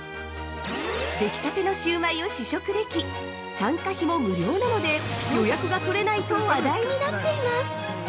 出来たてのシウマイを試食でき、参加費も無料なので、予約が取れないと話題になっています！